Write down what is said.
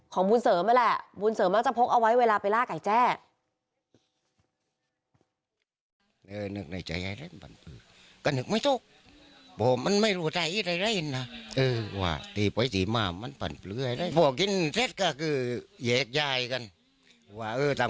บุญเสริมนั่นแหละบุญเสริมมักจะพกเอาไว้เวลาไปล่าไก่แจ้ะ